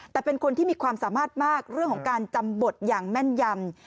แต่เป็นคนที่มีความสามารถมากเรื่องของการจำบทอย่างแม่นยำ